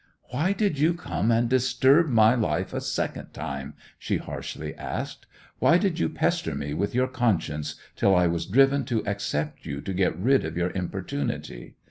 'Why did you come and disturb my life a second time?' she harshly asked. 'Why did you pester me with your conscience, till I was driven to accept you to get rid of your importunity?